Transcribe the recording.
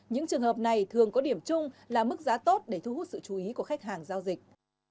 những trường hợp này thường có điểm chung là mức giá tốt để thu hút sự chú ý của khách hàng giao dịch